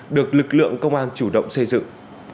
được lực lượng công an chủ động xây dựng